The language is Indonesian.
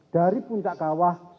dari puncak kawah